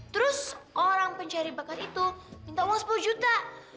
terus orang pencari bakat itu minta uang sepuluh juta